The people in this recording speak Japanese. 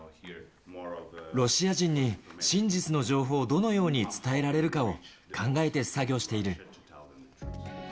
ロシア人に真実の情報をどのように伝えられるかを考えて作業している。